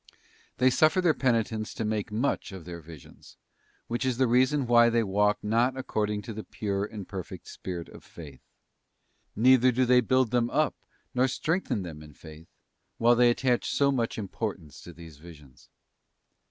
They suffer their penitents to make much of their visions, which is the reason why they walk not according to the pure and per fect spirit of faith; neither do they build them up nor strengthen them in faith, while they attach so much im portance to these visions.